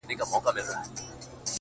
اوښـكه د رڼـــا يــې خوښــــه ســـوېده _